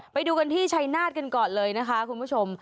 ไปดูกันที่ชัยนาธกันก่อนเลยนะคะคุณผู้ชม